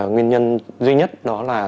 nguyên nhân duy nhất đó là